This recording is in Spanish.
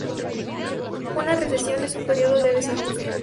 Una recesión es un período de desajuste.